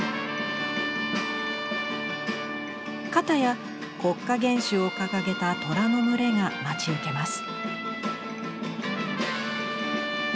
かたや国家元首を掲げたトラの群れが待ち受けます。